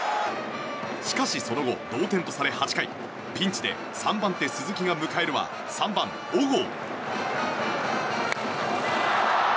しかしその後、同点とされ８回ピンチで３番手、鈴木が迎えるは３番、小郷。